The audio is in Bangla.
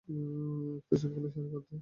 উক্ত ছোপগুলি সারিবদ্ধ।